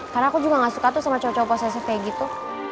karena aku juga gak suka tuh sama cowok cowok posesif kayak gitu